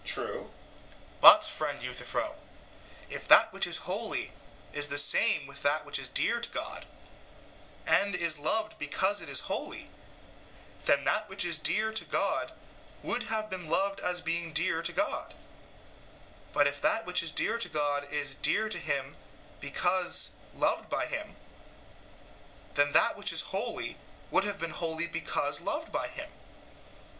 EUTHYPHRO: True. SOCRATES: But, friend Euthyphro, if that which is holy is the same with that which is dear to God, and is loved because it is holy, then that which is dear to God would have been loved as being dear to God; but if that which is dear to God is dear to him because loved by him, then that which is holy would have been holy because loved by him.